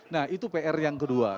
nah itu pr yang kedua